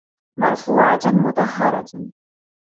مرفوعة مطهرة